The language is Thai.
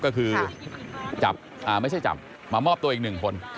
ก็คือจับไม่ใช่จับมามอบตัวอีกหนึ่งคน